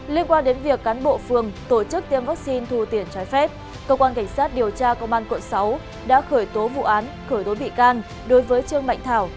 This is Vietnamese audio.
liên quan đến việc cán bộ phường tổ chức tiêm vaccine thu tiền trái phép cơ quan cảnh sát điều tra công an quận sáu đã khởi tố vụ án khởi tố bị can đối với trương mạnh thảo